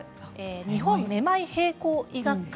日本めまい平衡医学会